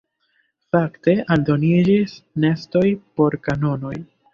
Fakte aldoniĝis nestoj por kanonoj.